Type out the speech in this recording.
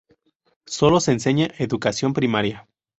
Solo se enseña educación primaria.